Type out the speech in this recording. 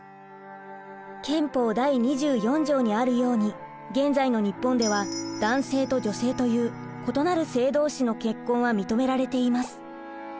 憲法第２４条にあるように現在の日本では男性と女性という異なる性同士の結婚は認められています。